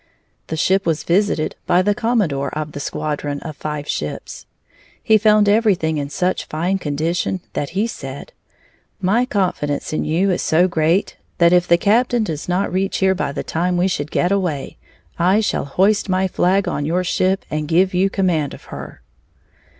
The ship was visited by the commodore of the squadron of five ships. He found everything in such fine condition that he said: "My confidence in you is so great that if the captain does not reach here by the time we should get away, I shall hoist my flag on your ship and give you command of her!"